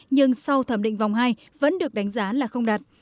nhưng sau thẩm định vòng hai vẫn được đánh giá là không đạt